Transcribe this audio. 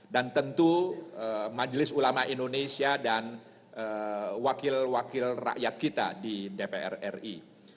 dan tentu majelis ulama indonesia dan wakil wakil rakyat kita di dpr ri